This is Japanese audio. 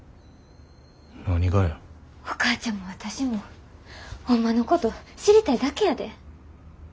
お母ちゃんも私もホンマのこと知りたいだけやで。